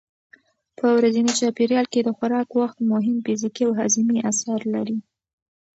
په ورځني چاپېریال کې د خوراک وخت مهم فزیکي او هاضمي اثر لري.